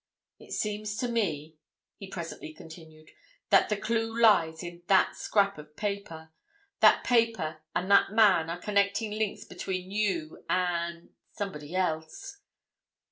"It seems to me," he presently continued, "that the clue lies in that scrap of paper. That paper and that man are connecting links between you and—somebody else."